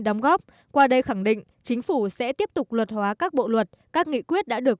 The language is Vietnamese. đóng góp qua đây khẳng định chính phủ sẽ tiếp tục luật hóa các bộ luật các nghị quyết đã được